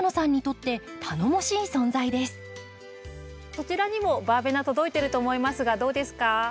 そちらにもバーベナ届いてると思いますがどうですか？